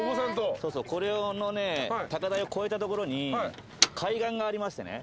そうそうこれのね高台を越えた所に海岸がありましてね